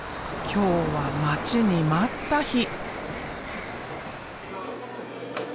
今日は待ちに待った日。